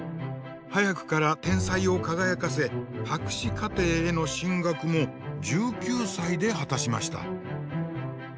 早くから天才を輝かせ博士課程への進学も１９歳で果たしました。